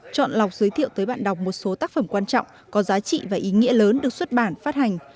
chọn lọc giới thiệu tới bạn đọc một số tác phẩm quan trọng có giá trị và ý nghĩa lớn được xuất bản phát hành